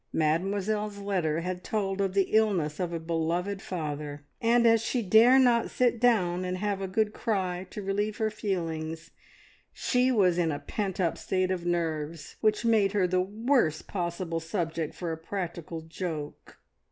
Mademoiselle's letter had told of the illness of a beloved father, and as she dared not sit down and have a good cry to relieve her feelings, she was an a pent up state of nerves which made her the worst possible subject for a practical joke.